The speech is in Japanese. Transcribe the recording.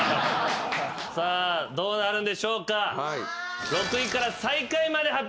どうなるんでしょうか？